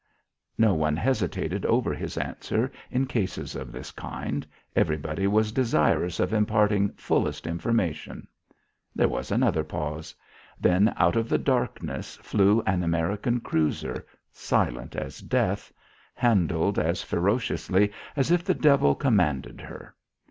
No one hesitated over his answer in cases of this kind. Everybody was desirous of imparting fullest information. There was another pause. Then out of the darkness flew an American cruiser, silent as death, handled as ferociously as if the devil commanded her.